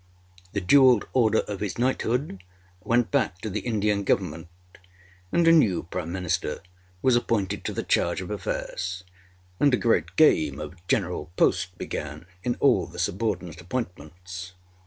The jewelled order of his knighthood went back to the Indian Government, and a new Prime Minister was appointed to the charge of affairs, and a great game of General Post began in all the subordinate appointments.